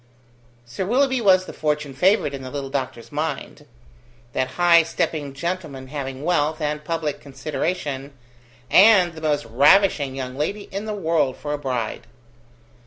Sir Willoughby was the fortune favoured in the little doctor's mind; that high stepping gentleman having wealth, and public consideration, and the most ravishing young lady in the world for a bride.